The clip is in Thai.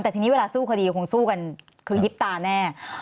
แต่ทีนี้เวลาสู้คดีคงสู้กันคือยิบตาแน่